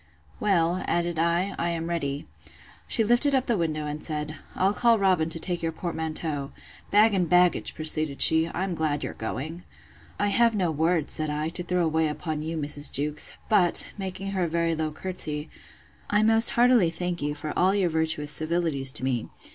Well, added I, I am ready. She lifted up the window, and said, I'll call Robin to take your portmanteau: Bag and baggage! proceeded she, I'm glad you're going. I have no words, said I, to throw away upon you, Mrs. Jewkes; but, making her a very low courtesy, I most heartily thank you for all your virtuous civilities to me.